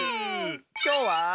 きょうは。